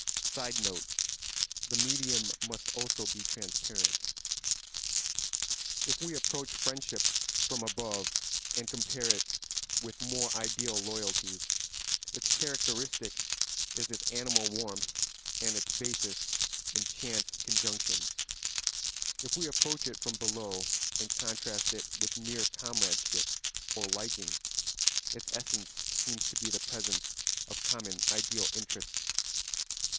[Sidenote: The medium must also be transparent.] If we approach friendship from above and compare it with more ideal loyalties, its characteristic is its animal warmth and its basis in chance conjunctions; if we approach it from below and contrast it with mere comradeship or liking, its essence seems to be the presence of common ideal interests.